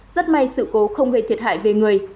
rất may sự cố không gây thiệt hại về người